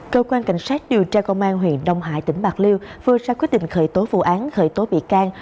cơ quan cảnh sát điều tra công an huyện đông hải tỉnh bạc liêu vừa ra quyết định khởi tố vụ án khởi tố bị can